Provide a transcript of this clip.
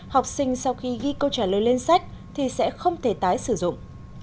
học sinh sau khi ghi câu trả lời lên sách thì sẽ không thể tái sử dụng